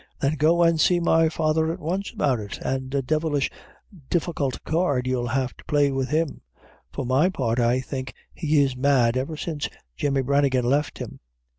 "Then go in and see my father at once about it, and a devilish difficult card you'll have to play with him; for my part, I think he is mad ever since Jemmy Branigan left him.